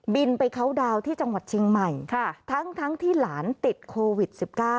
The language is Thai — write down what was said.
ไปเคาน์ดาวน์ที่จังหวัดเชียงใหม่ทั้งที่หลานติดโควิด๑๙